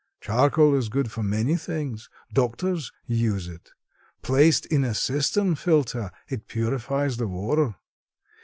"Charcoal is good for many things. Doctors use it. Placed in a cistern filter it purifies the water.